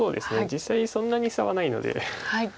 実際そんなに差はないので。